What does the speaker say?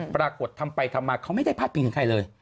ปรากฏทำไปทำมาเขาไม่ได้พาดพิงถึงใครเลย